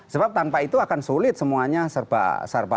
sebab tanpa itu akan sulit semuanya serba serba